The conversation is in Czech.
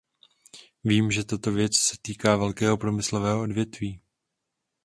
Vím, že tato věc se týká velkého průmyslového odvětví.